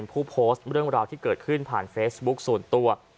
ผู้โพสต์เรื่องราวที่เกิดขึ้นผ่านเฟซบุ๊คส่วนตัว